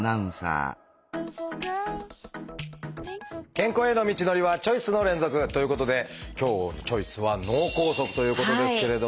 健康への道のりはチョイスの連続！ということで今日の「チョイス」は「脳梗塞」ということですけれども。